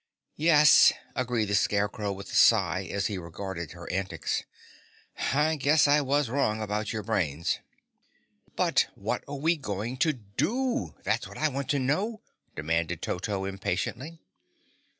"Yes," agreed the Scarecrow with a sigh as he regarded her antics, "I guess I was wrong about your brains." "But what are we going to do? That's what I want to know," demanded Toto impatiently.